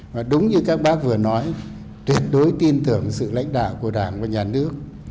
và đúng như các bác vừa nói tuyệt đối tin tưởng sự lãnh đạo của đảng và nhà nước